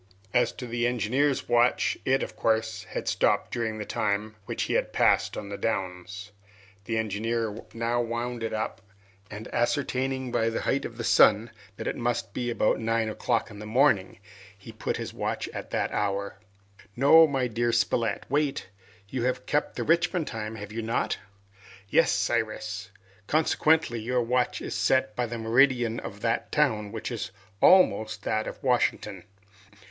As to the engineer's watch, it, of course, had stopped during the time which he had passed on the downs. The engineer now wound it up, and ascertaining by the height of the sun that it must be about nine o'clock in the morning, he put his watch at that hour. "No, my dear Spilett, wait. You have kept the Richmond time, have you not?" "Yes, Cyrus." "Consequently, your watch is set by the meridian of that town, which is almost that of Washington?"